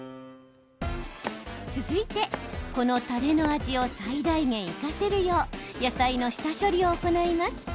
続いて、このたれの味を最大限生かせるよう野菜の下処理を行います。